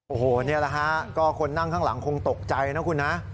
โอ้โหนี่แหละฮะก็คนนั่งข้างหลังคงตกใจนะคุณนะ